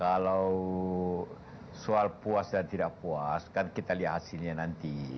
kalau soal puas dan tidak puas kan kita lihat hasilnya nanti